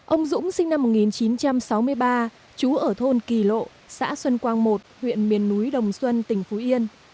ông dũng sinh năm một nghìn chín trăm sáu mươi ba chú ở thôn kỳ lộ xã xuân quang một huyện miền núi đồng xuân tỉnh phú yên